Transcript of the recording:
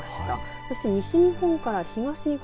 そして西日本から東日本